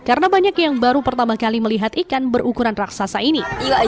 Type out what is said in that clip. karena banyak yang baru pertama kali melihat ikan berukuran raksasa ini